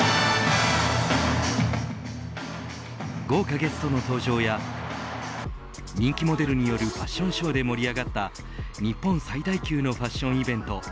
豪華ゲストの登場や人気モデルによるファッションショーで盛り上がった日本最大級のファッションイベント